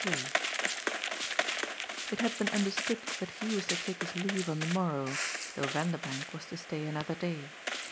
III It had been understood that he was to take his leave on the morrow, though Vanderbank was to stay another day.